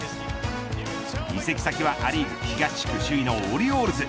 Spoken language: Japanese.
移籍先はア・リーグ東地区首位のオリオールズ。